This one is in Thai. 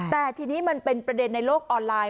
แต่ทีนี้มันเป็นประเด็นในโลกออนไลน์